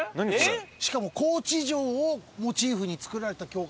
しかも高知城をモチーフに造られた教会。